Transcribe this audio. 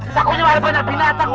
takutnya banyak binatang ular apa semua